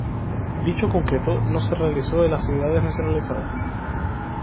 Dicho concretó no se realizó en las ciudades mencionadas.